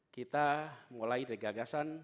kita mulai dari gagasan